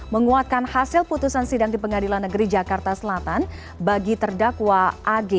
menguatkan hasil putusan sidang di pengadilan negeri jakarta selatan bagi terdakwa ag